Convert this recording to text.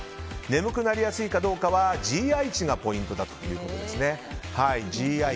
眠くなりやすいかどうかはＧＩ値がポイントだということです。